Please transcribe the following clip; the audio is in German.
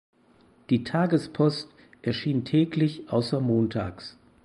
Die "Tagespost" erschien täglich außer montags.